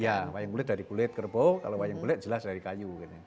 ya wayang kulit dari kulit kerbau kalau wayang kulit jelas dari kayu